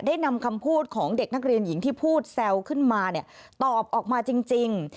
นำคำพูดของเด็กนักเรียนหญิงที่พูดแซวขึ้นมาตอบออกมาจริง